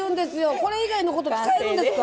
これ以外のこと使えるんですか？